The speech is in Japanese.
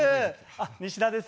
西田です。